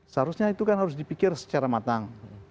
seharusnya itu kan harus dipikir secara matang